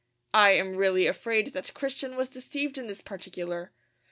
I am really afraid that Christian was deceived in this particular.